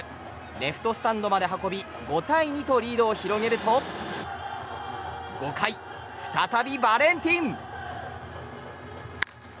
レフトスタンドまで運び５対２とリードを広げると５回、再びバレンティン。